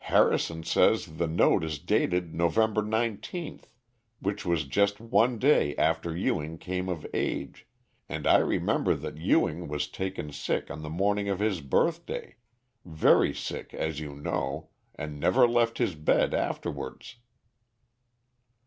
"Harrison says the note is dated November 19th, which was just one day after Ewing came of age, and I remember that Ewing was taken sick on the morning of his birthday very sick, as you know, and never left his bed afterwards."